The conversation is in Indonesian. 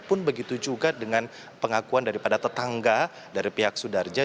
pun begitu juga dengan pengakuan daripada tetangga dari pihak sudarja